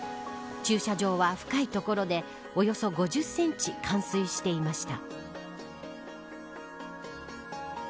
駐車場は深い所でおよそ５０センチ冠水していました。